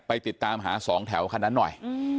ไปติดตามหา๒แถวขณะนั้นหน่อย